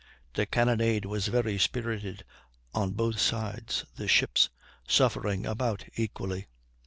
The cannonade was very spirited on both sides, the ships suffering about equally.